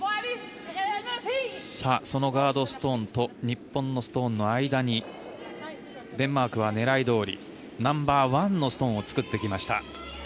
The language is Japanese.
そのガードストーンと日本のストーンとの間にデンマークは狙いどおりナンバーワンのストーンを作ってきました。